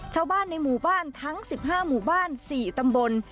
ชาวบ้านในหมู่บ้านทั้ง๑๕หมู่บ้าน๔ตำบล